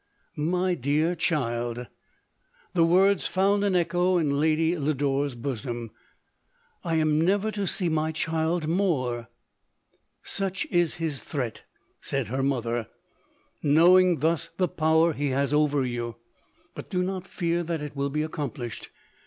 " My dear child !"— the words found an echo in Lady Lodore's bosom ;—" I am never to see my child more ["" Such is his threat,* 1 said her mother, " knowing thus the power he has over you ; but do not fear that it will be accomplished.